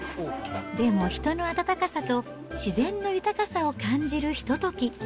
でも、人の温かさと自然の豊かさを感じるひと時。